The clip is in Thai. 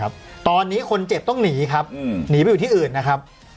ครับตอนนี้คนเจ็บต้องหนีครับหนีไปอยู่ที่อื่นนะครับ